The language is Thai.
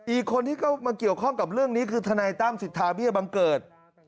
อีกคนที่เข้ามาเกี่ยวข้องกับเรื่องนี้คือทนายตั้มสิทธาเบี้ยบังเกิด